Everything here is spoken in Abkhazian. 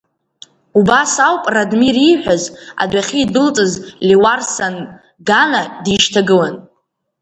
Убас ауп Радмир ииҳәаз, адәахьы индәылҵыз Леуарсан Гана дишьҭагылан.